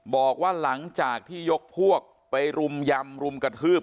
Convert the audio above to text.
บอกว่าหลังจากที่ยกพวกไปรุมยำรุมกระทืบ